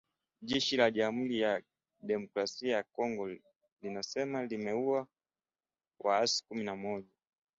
Jeshi la Jamuhuri ya Demokrasia ya Kongo linasema limeua waasi kumi na moja